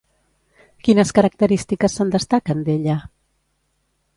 Quines característiques se'n destaquen, d'ella?